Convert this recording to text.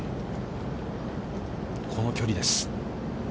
この距離です。